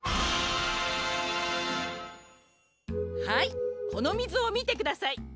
はいこのみずをみてください。